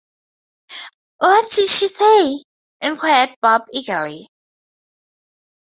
‘What did she say?’ inquired Bob eagerly.